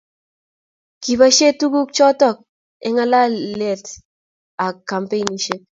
Kiboishe tuguk chotok eng' ngalalet ak kampeinishek